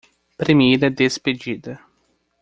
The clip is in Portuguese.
Primeira despedida